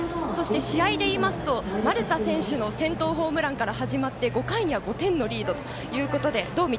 試合でいいますと丸田選手の先頭打者ホームランから始まって５回には５点のリード